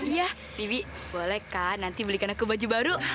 iya bibi boleh kan nanti belikan aku baju baru